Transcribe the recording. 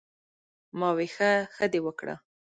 " ـ ما وې " ښۀ دې وکړۀ " ـ